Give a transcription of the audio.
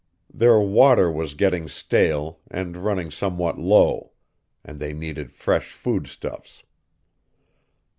Their water was getting stale, and running somewhat low; and they needed fresh foodstuffs.